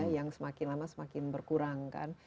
yang semakin lama semakin berkurang kan